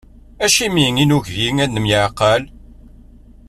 Acimi i nugi ad nemyeεqal?